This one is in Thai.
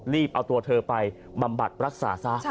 เอาตัวเธอไปบำบัดรักษาซะ